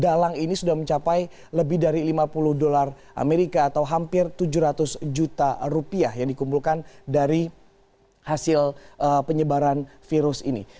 dalang ini sudah mencapai lebih dari lima puluh dolar amerika atau hampir tujuh ratus juta rupiah yang dikumpulkan dari hasil penyebaran virus ini